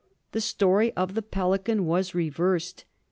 The story of the pelican was reversed.